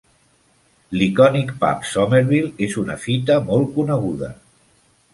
L'icònic pub Somerville és una fita molt coneguda.